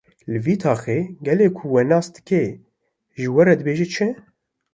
Li vî taxê gelê ku we nas dike ji we re dibê çi?